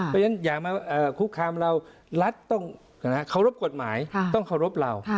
เพราะฉะนั้นอย่ามาคุกคามเรารัฐต้องเคารพกฎหมายต้องเคารพเรา